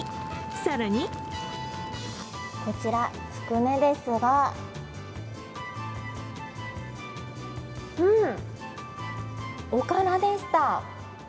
更にこちら、つくねですがおからでした！